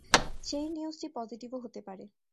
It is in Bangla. সেই নিউজ পজিটিভও হতে পারে।